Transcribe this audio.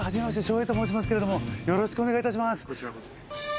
照英と申しますけれどもよろしくお願い致します。